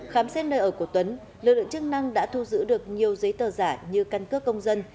khám xét nơi ở của tuấn lực lượng chức năng đã thu giữ được nhiều giấy tờ giả như căn cước công dân